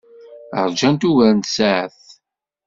Ṛjant ugar n tsaɛet.